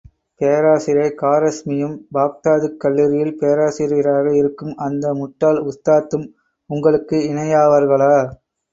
பேராசிரியர் காரெஸ்மியும், பாக்தாதுக் கல்லூரியில் பேராசிரியராக இருக்கும் அந்த முட்டாள் உஸ்தாத்தும் உங்களுக்கு இணையாவார்களா?